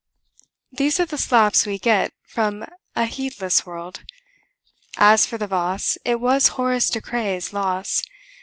These are the slaps we get from a heedless world. As for the vase, it was Horace De Craye's loss.